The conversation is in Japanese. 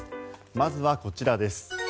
まずはこちらです。